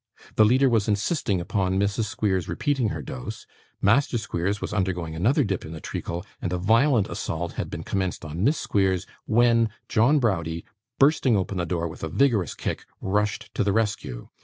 The leader was insisting upon Mrs. Squeers repeating her dose, Master Squeers was undergoing another dip in the treacle, and a violent assault had been commenced on Miss Squeers, when John Browdie, bursting open the door with a vigorous kick, rushed to the rescue.